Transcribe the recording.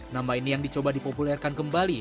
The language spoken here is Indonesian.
nama ini yang dicoba dipopulerkan kembali